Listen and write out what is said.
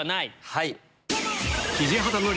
はい。